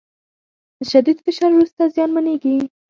له شدید فشار وروسته زیانمنېږي